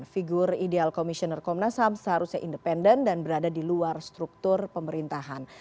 figur ideal komisioner komnas ham seharusnya independen dan berada di luar struktur pemerintahan